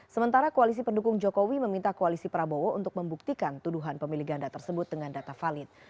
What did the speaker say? sementara koalisi pendukung jokowi meminta koalisi prabowo untuk membuktikan tuduhan pemilih ganda tersebut dengan data valid